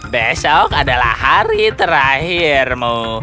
besok adalah hari terakhirmu